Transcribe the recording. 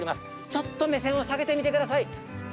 ちょっと目線を下げてみてください。